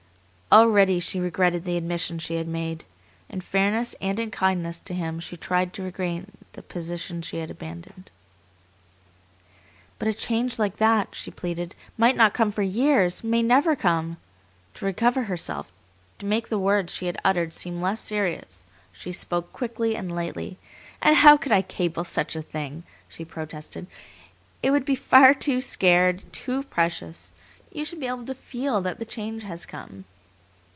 Already she regretted the admission she had made. In fairness and in kindness to him she tried to regain the position she had abandoned. "But a change like that," she pleaded, "might not come for years, may never come!" To recover herself, to make the words she had uttered seem less serious, she spoke quickly and lightly. "And how could I CABLE such a thing!" she protested. "It would be far too sacred, too precious. You should be able to FEEL that the change has come."